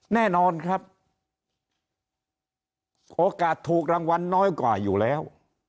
แน่นอนครับโอกาสถูกรางวัลน้อยกว่าอยู่แล้ว